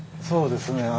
そうですね。